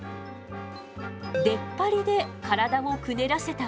出っ張りで体をくねらせたわ。